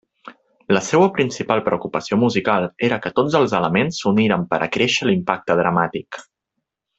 La seua principal preocupació musical era que tots els elements s'uniren per acréixer l'impacte dramàtic.